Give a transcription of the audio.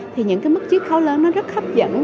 thì những mức trí khấu lớn rất hấp dẫn